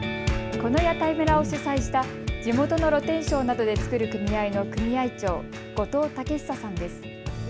この屋台村を主催した地元の露天商などで作る組合の組合長、後藤剛久さんです。